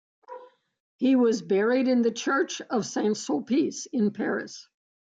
He was buried in the Church of S. Sulpice in Paris.